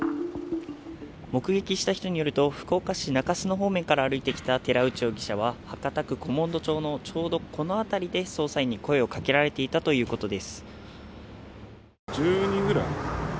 目撃した人によると、福岡市中洲の方から歩いてきた寺内容疑者は博多区古門戸町のちょうどこの辺りで捜査員に声をかけられていたということです。